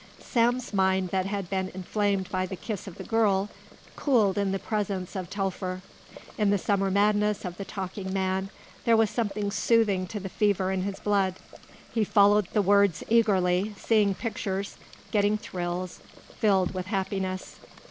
Sam's mind that had been inflamed by the kiss of the girl cooled in the presence of Telfer. In the summer madness of the talking man there was something soothing to the fever in his blood. He followed the words eagerly, seeing pictures, getting thrills, filled with happiness.